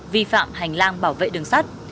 vi phạm hành lang bảo vệ đường sắt